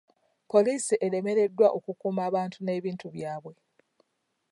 Poliisi eremereddwa okukuuma abantu n'ebintu byabwe.